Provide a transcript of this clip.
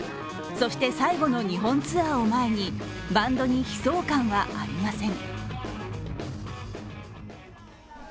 そして最後の日本ツアーを前にバンドに悲壮感はありません。